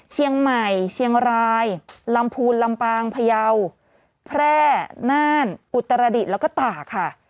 เชียงใหม่เชียงรายลำพูนลำปางพยาวแพร่น่านอุตรดิษฐ์แล้วก็ตากค่ะ